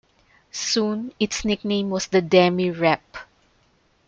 Soon its nickname was the demi-Rep.